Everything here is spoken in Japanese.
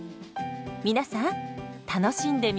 皆さん楽しんでみませんか？